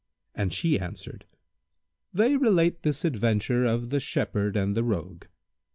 and she answered, "They relate this adventure of The Shepherd and the Rogue.